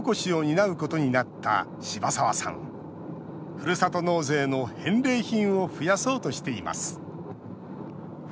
ふるさと納税の返礼品を増やそうとしています